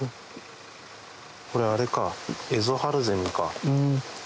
これあれかエゾハルゼミか。